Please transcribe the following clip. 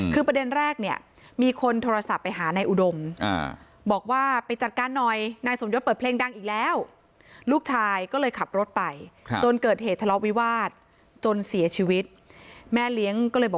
คือประเด็นแรกเนี่ยมีคนโทรศัพท์ไปหาในอุดมอ่าบอกว่าไปจัดการหน่อย